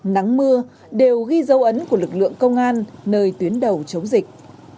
nắng mưa đều ghi dấu ấn của lực lượng công an nơi tuyến đầu chống dịch